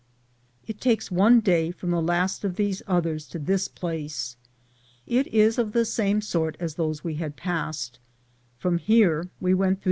It takes on» day from the last of these others to this place. It is of the same sort as those we had passed. From here we went through.